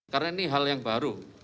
karena ini hal yang baru